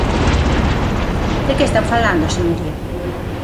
¿De que están falando, señoría?